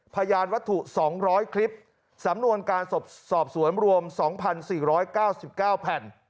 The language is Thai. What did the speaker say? พยานวัตถุ๒๐๐คลิปสำนวนการสอบสวนรวม๒๔๙๙แผ่น